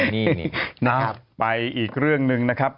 นี่นี่น้องไปอีกเรื่องนึงนะครับ